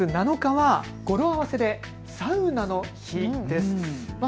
きょう３月７日は語呂合わせでサウナの日です。